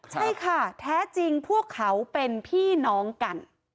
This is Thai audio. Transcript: ใช่ค่ะแท้จริงพวกเขาเป็นพี่น้องกัน